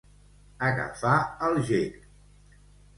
Agafar el gec.